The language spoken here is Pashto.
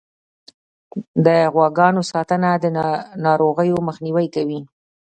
د غواګانو ساتنه د ناروغیو مخنیوی کوي.